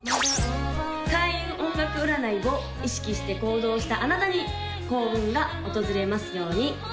開運音楽占いを意識して行動したあなたに幸運が訪れますように！